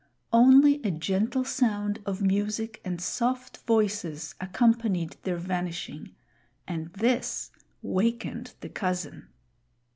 Only a gentle sound of music and soft voices accompanied their vanishing, and this wakened the cousin.